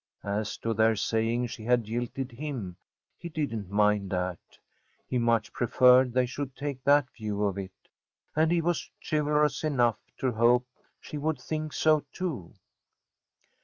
As to their saying she had jilted him, he didn't mind that. He much preferred they should take that view of it, and he was chivalrous enough to hope she would think so too.